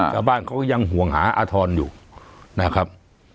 ชาวบ้านเขายังห่วงหาอธรณ์อยู่นะครับ